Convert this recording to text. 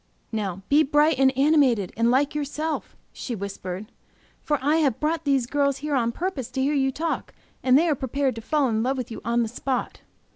"Now be bright and animated, and like yourself," she whispered, "for I have brought these girls here on purpose to hear you talk, and they are prepared to fall in love with you on the spot."